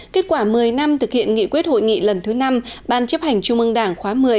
kết quả một mươi năm thực hiện nghị quyết hội nghị lần thứ năm ban chấp hành trung ương đảng khóa một mươi